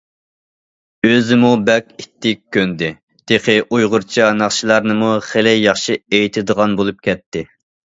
ئۆزىمۇ بەك ئىتتىك كۆندى، تېخى ئۇيغۇرچە ناخشىلارنىمۇ خېلى ياخشى ئېيتىدىغان بولۇپ كەتتى.